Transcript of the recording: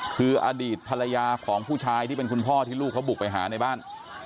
คืออดีตภรรยาของผู้ชายที่เป็นคุณพ่อที่ลูกเขาบุกไปหาในบ้าน